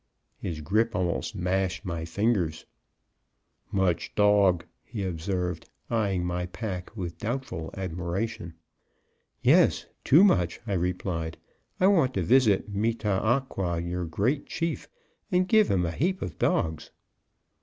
His grip almost mashed my fingers. "Much dog," he observed, eyeing my pack with doubtful admiration. "Yes, too much," I replied; "I want to visit Me tah ah qua, your great chief, and give him a heap of dogs."